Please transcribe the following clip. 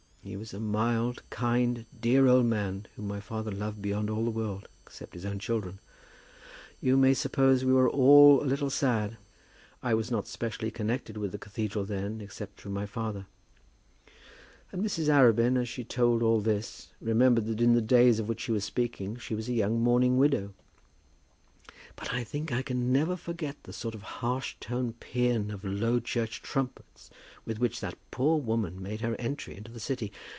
He was a mild, kind, dear old man, whom my father loved beyond all the world, except his own children. You may suppose we were all a little sad. I was not specially connected with the cathedral then, except through my father," and Mrs. Arabin, as she told all this, remembered that in the days of which she was speaking she was a young mourning widow, "but I think I can never forget the sort of harsh toned pæan of low church trumpets with which that poor woman made her entry into the city.